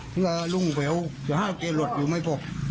ซึ่งก็ลุงไปเอาจะห้าเจรวรรดิอยู่ไม่พบ